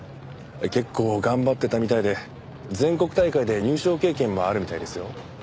結構頑張ってたみたいで全国大会で入賞経験もあるみたいですよ。